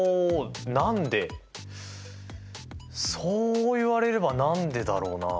そう言われれば何でだろうなあ。